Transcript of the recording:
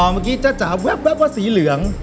อ๋อเมื่อกี้จ๊ะจ๊ะแว๊บว่าสีเหลือง